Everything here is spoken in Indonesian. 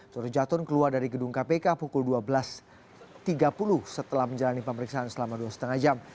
turjatun keluar dari gedung kpk pukul dua belas tiga puluh setelah menjalani pemeriksaan selama dua lima jam